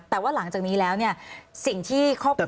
แต่ว่าหลังจากนี้แล้วเนี่ยสิ่งที่ครอบครัว